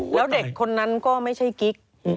แล้วเด็กคนนั้นก็ไม่ใช่กิ๊ก